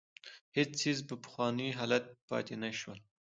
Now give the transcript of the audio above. هېڅ څېز په پخواني حالت پاتې نه شول.